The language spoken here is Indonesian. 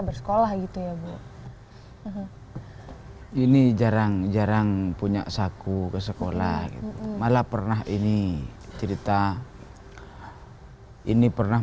bersekolah gitu ya bu ini jarang jarang punya saku ke sekolah gitu malah pernah ini cerita ini pernah